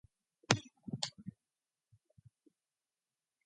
The two-barrel engine was unchanged.